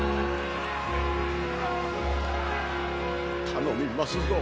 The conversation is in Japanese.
頼みますぞ！